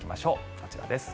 こちらです。